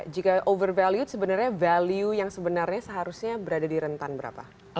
jika over value sebenarnya value yang sebenarnya seharusnya berada di rentan berapa